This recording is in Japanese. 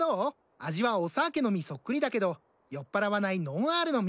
味はオ・サーケの実そっくりだけど酔っぱらわないノンアールの実。